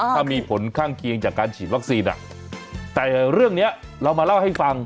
ถ้ามีผลข้างเคียงจากการฉีดวัคซีนแต่เรื่องนี้เรามาเล่าให้ฟัง